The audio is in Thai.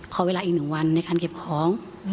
ขอเวลาอีก๑วันในการเก็บของ